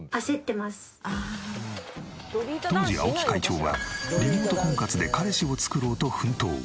当時青木会長はリモート婚活で彼氏を作ろうと奮闘。